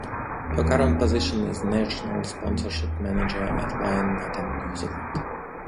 Her current position is National Sponsorship Manager at Lion Nathan New Zealand.